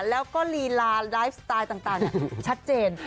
แล้วก็ลีลาไลฟ์สไตล์ต่างชัดเจน